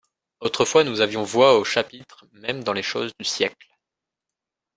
Autrefois nous avions voix au chapitre même dans les choses du siècle.